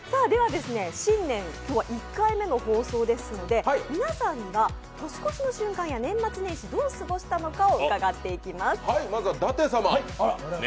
では新年１回目の放送ですので皆さんが年越しの瞬間や年末年始どう過ごしたのかを伺っていきます。